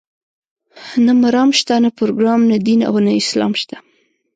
نه مرام شته، نه پروګرام، نه دین او نه اسلام شته.